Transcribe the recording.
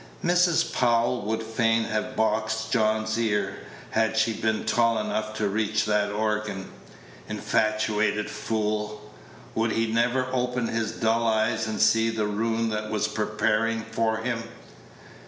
Mrs. Powell would fain have boxed John's ear, had she been tall enough to reach that organ. Infatuated fool! would he never open his dull eyes and see the ruin that was preparing for him?